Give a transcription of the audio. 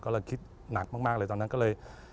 ก็เลยคิดหนักมากเลยตอนนั้นก็เลย